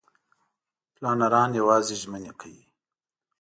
پلانران یوازې ژمنې کوي.